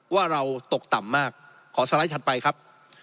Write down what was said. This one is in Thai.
ว่าเราตกต่ำมากขอสไลด์ถัดไปครับ